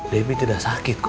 debbie tidak sakit kum